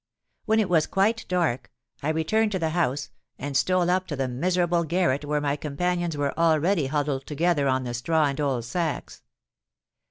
When it was quite dark, I returned to the house, and stole up to the miserable garret where my companions were already huddled together on the straw and old sacks.